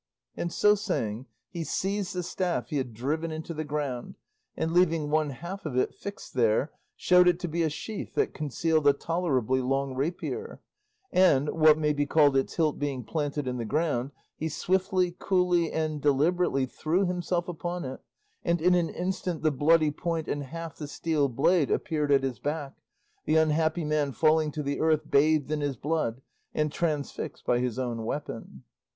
And so saying, he seized the staff he had driven into the ground, and leaving one half of it fixed there, showed it to be a sheath that concealed a tolerably long rapier; and, what may be called its hilt being planted in the ground, he swiftly, coolly, and deliberately threw himself upon it, and in an instant the bloody point and half the steel blade appeared at his back, the unhappy man falling to the earth bathed in his blood, and transfixed by his own weapon.